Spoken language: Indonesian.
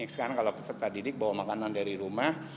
sekarang kalau peserta didik bawa makanan dari rumah